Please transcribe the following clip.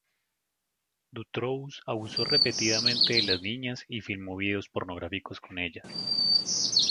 Dutroux abusó repetidamente de las niñas y filmó videos pornográficos con ellas.